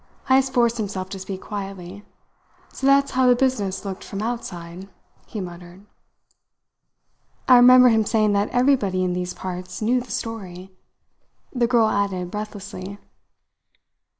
Heyst forced himself to speak quietly. "So that's how the business looked from outside!" he muttered. "I remember him saying that everybody in these parts knew the story," the girl added breathlessly.